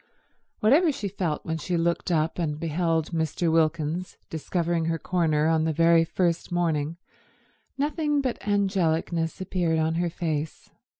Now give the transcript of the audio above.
Whatever she felt when she looked up and beheld Mr. Wilkins discovering her corner on the very first morning, nothing but angelicness appeared on her face.